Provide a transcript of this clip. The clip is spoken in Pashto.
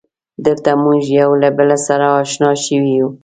دلته مونږ یو له بله سره اشنا شوي یو.